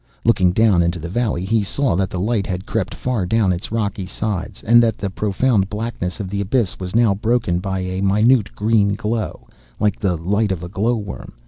Looking down into the valley, he saw that the light had crept far down its rocky sides, and that the profound blackness of the abyss was now broken by a minute green glow, like the light of a glow worm.